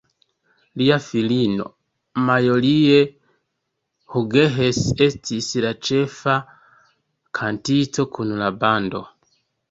Lia filino, Marjorie Hughes estis la ĉefa kantisto kun la bando.